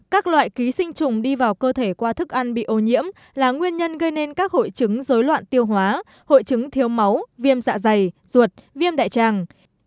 các loại ký sinh trùng đi vào cơ thể qua thức ăn bị ô nhiễm là nguyên nhân gây nên các hội chứng dối loạn tiêu hóa hội chứng thiếu máu viêm dạ dày ruột viêm đại tràng